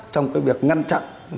trong việc ngăn chặn